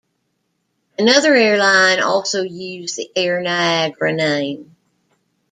Another airline also used the Air Niagara name.